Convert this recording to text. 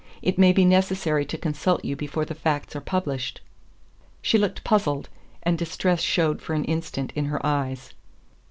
It may be necessary to consult you before the facts are published." She looked puzzled, and distress showed for an instant in her eyes.